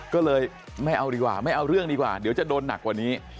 ก็เลยไม่เอาดีกว่าไม่เอาเรื่องดีกว่าเดี๋ยวจะโดนหนักกว่านี้